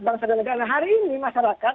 bangsa dan negara hari ini masyarakat